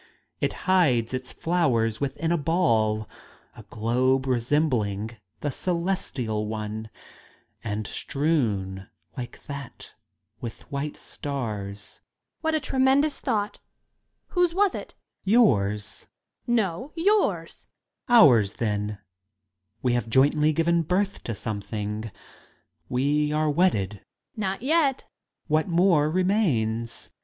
It hides its flowers within a ball, a globe resembling the celestial one, and strewn, like that, with white stars Young Lady. What a tremendous thought ! Whose was it? Student. Yours! YouNO Lady. No, yours ! Student. Ours, then! We have jointly given birth to W something: we are wedded Young Lady. Not yet. Student. What more remains